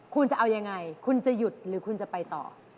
คุณจะเอายังไงคุณจะหยุดหรือคุณจะไปต่อ